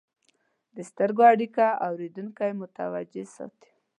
د سترګو اړیکه اورېدونکي متوجه ساتي.